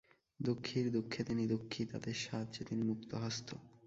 দুঃখীর দুঃখে তিনি দুঃখী, তাদের সাহায্যে তিনি মুক্তহস্ত।